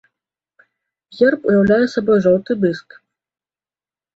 Герб уяўляе сабой жоўты дыск.